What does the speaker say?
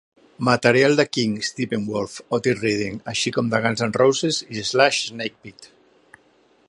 Material de King, Steppenwolf, Otis Redding, així com de Guns N' Roses i Slash's Snakepit.